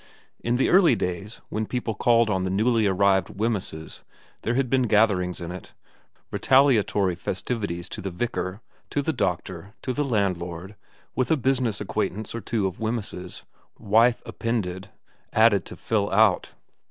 In the early days, when people called on the newly arrived Wemysses, there had been gatherings in it, retaliatory festivities to the vicar, to the doctor, to the landlord, with a business acquaintance or two of Wemyss's, wife appended, added to fill out.